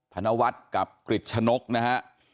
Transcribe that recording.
ธนวัฒน์กับกริจชะนกนะฮะ